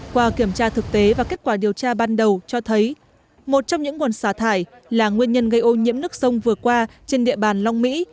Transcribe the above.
qua kiểm tra thực tế và kết quả điều tra ban đầu cho thấy một trong những nguồn xả thải là nguyên nhân gây ô nhiễm nước sông vừa qua trên địa bàn long mỹ